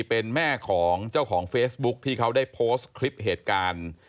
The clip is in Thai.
เป็นแม่ของเจ้าของเฟซบุ๊คที่เขาได้โพสต์คลิปเหตุการณ์